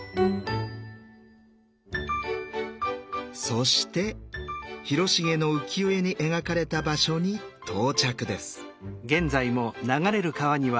そして広重の浮世絵に描かれた場所に到着です。